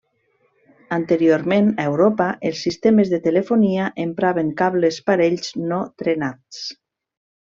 Anteriorment, a Europa, els sistemes de telefonia empraven cables parells no trenats.